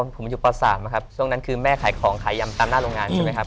ผมอยู่ป๓นะครับช่วงนั้นคือแม่ขายของขายยำตามหน้าโรงงานใช่ไหมครับ